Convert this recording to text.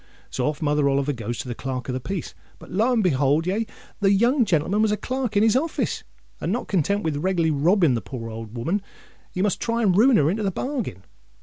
So off Mother Oliver goes to the Clerk of the Peace: but, lo and behold ye! the young gentleman was a clerk in his office; and not content with reglarly robbing the poor old o'oman, he must try and ruin her into the bargain.